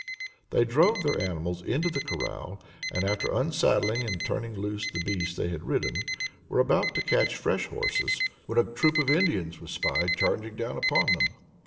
They drove their animals into the corral, and, after unsaddling and turning loose the beasts they had ridden, were about to catch fresh horses, when a troop of Indians was spied charging down upon them.